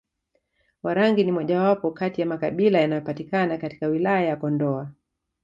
Warangi ni mojawapo kati ya makabila yanayopatikana katika wilaya ya Kondoa